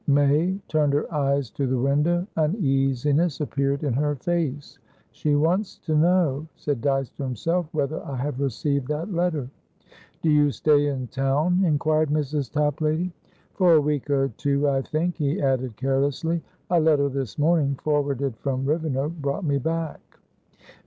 May turned her eyes to the window. Uneasiness appeared in her face. "She wants to know"said Dyce to himself"whether I have received that letter." "Do you stay in town?" inquired Mrs. Toplady. "For a week or two, I think." He added, carelessly, "A letter this morning, forwarded from Rivenoak, brought me back."